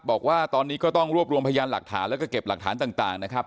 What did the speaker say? บอกว่าตอนนี้ก็ต้องรวบรวมพยานหลักฐานแล้วก็เก็บหลักฐานต่างนะครับ